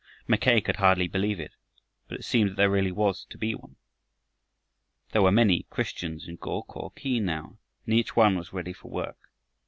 Mackay could hardly believe it, but it seemed that there really was to be one. There were many Christians in Go ko khi now, and each one was ready for work.